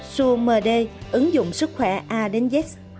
sua md ứng dụng sức khỏe a đến z